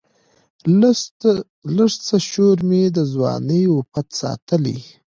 لږڅه شورمي د ځواني وًپټ ساتلی